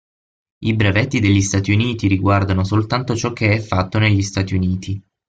I brevetti degli Stati Uniti riguardano soltanto ciò che è fatto negli Stati Uniti.